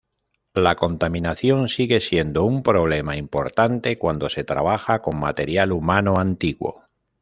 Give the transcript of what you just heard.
La contaminación sigue siendo un problema importante cuando se trabaja con material humano antiguo.